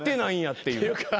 っていうか。